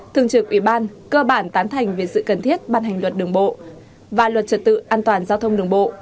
thường trực ủy ban cơ bản tán thành về sự cần thiết ban hành luật đường bộ và luật trật tự an toàn giao thông đường bộ